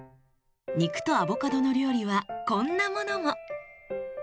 肉とアボカドの料理はこんなものも。